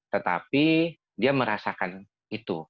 tetapi dia merasakan itu